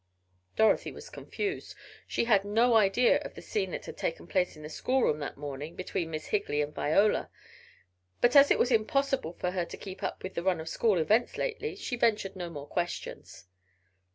Dorothy was confused. She had no idea of the scene that had taken place in the schoolroom that morning between Miss Higley and Viola. But as it was impossible for her to keep up with the run of school events lately, she ventured no more questions.